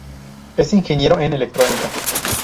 Es ingeniero en electrónica.